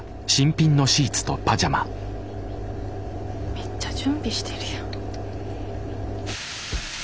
めっちゃ準備してるやん。